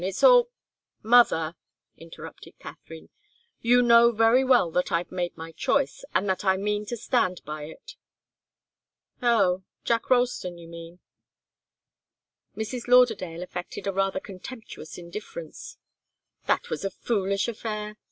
It's all " "Mother," interrupted Katharine, "you know very well that I've made my choice, and that I mean to stand by it." "Oh Jack Ralston, you mean?" Mrs. Lauderdale affected a rather contemptuous indifference. "That was a foolish affair.